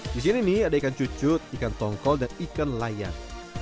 di sini nih ada ikan cucut ikan tongkol dan ikan layan